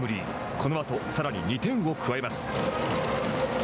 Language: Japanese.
このあとさらに２点を加えます。